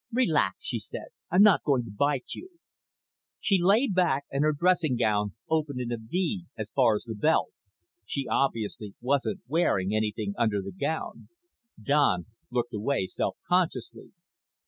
"Relax," she said. "I'm not going to bite you." She lay back and her dressing gown opened in a V as far as the belt. She obviously wasn't wearing anything under the gown. Don looked away self consciously.